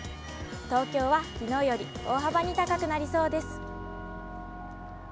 東京はきのうより大幅に高くなりそうです。